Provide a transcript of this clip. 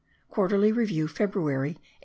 Quarterly Review February 1818.)